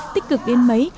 tích cực đến mấy